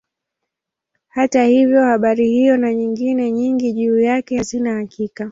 Hata hivyo habari hiyo na nyingine nyingi juu yake hazina hakika.